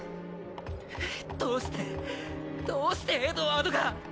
どうしてどうしてエドワードが！